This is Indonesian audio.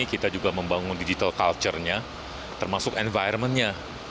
kita juga membangun digital culture nya termasuk environment nya